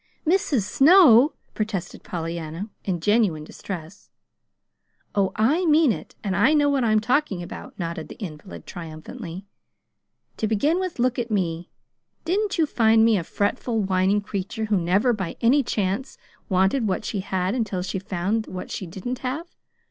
"MRS. SNOW!" protested Pollyanna, in genuine distress. "Oh, I mean it, and I know what I'm talking about," nodded the invalid, triumphantly. "To begin with, look at me. Didn't you find me a fretful, whining creature who never by any chance wanted what she had until she found what she didn't have?